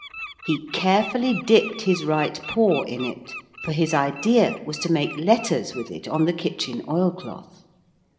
He carefully dipped his right paw in it, for his idea was to make letters with it on the kitchen oil cloth.